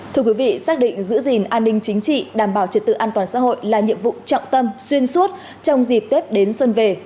thưa quý vị xác định giữ gìn an ninh chính trị đảm bảo trật tự an toàn xã hội là nhiệm vụ trọng tâm xuyên suốt trong dịp tết đến xuân về